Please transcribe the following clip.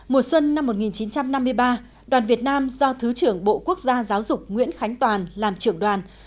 mùa xuân năm một nghìn chín trăm năm mươi ba đoàn việt nam do thứ trưởng bộ quốc gia giáo dục nguyễn khánh toàn làm trưởng đoàn